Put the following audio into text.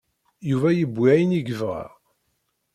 Yuba yewwi ayen i yebɣa.